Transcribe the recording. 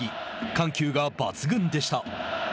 緩急が抜群でした。